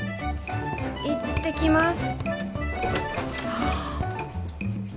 行ってきます。